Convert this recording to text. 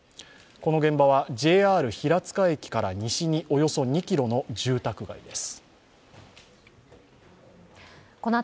この現場はＪＲ平塚駅から西におよそ２ｋｍの住宅街です。